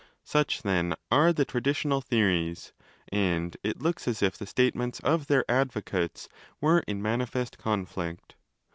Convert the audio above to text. Such, then, are the traditional theories, and it looks as if the statements of their advocates were in manifest conflict.